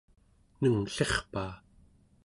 nengllirpaa!